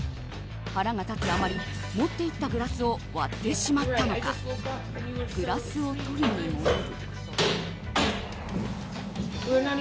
腹が立つあまり持って行ったグラスを割ってしまったのかグラスを取りに戻る。